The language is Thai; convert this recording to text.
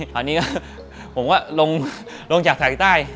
ตอนนี้ก็ผมก็ลงจากสายใต้